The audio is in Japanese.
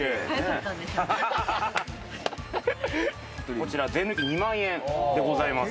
こちら税抜２万円でございます。